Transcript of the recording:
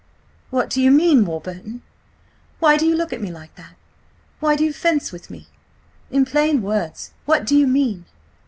"What do you mean, Warburton? Why do you look at me like that? Why do you fence with me? In plain words, what do you mean?"